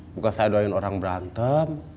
bukan saya doain orang berantem